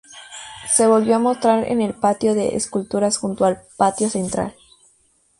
Se volvió a mostrar en el patio de esculturas junto al patio central.